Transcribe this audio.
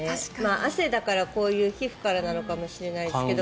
汗だから皮膚からなのかもしれないですけど。